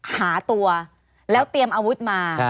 หาตัวแล้วเตรียมอาวุธมา